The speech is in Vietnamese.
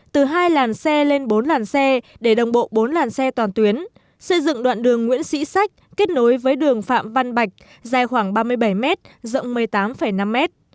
từ hai làn xe lên bốn làn xe để đồng bộ bốn làn xe toàn tuyến xây dựng đoạn đường nguyễn sĩ sách kết nối với đường phạm văn bạch dài khoảng ba mươi bảy m rộng một mươi tám năm m